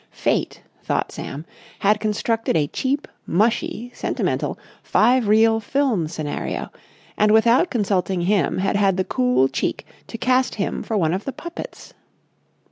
Fate, thought Sam, had constructed a cheap, mushy, sentimental, five reel film scenario, and without consulting him had had the cool cheek to cast him for one of the puppets.